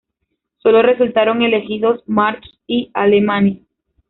Sólo resultaron elegidos March y Alemany.